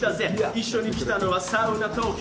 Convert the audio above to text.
一緒に来たのはサウナ東京。